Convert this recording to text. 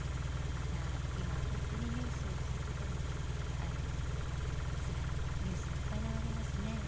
また今本当にニュースを聞いててもつらいニュースがいっぱい流れますね。